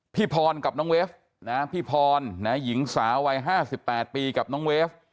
พี่พรกับน้องเวฟพี่พรหญิงสาววัย๕๘ปีกับน้องเวฟ